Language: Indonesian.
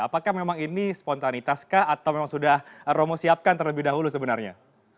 apakah memang ini spontanitas kah atau memang sudah romo siapkan terlebih dahulu sebenarnya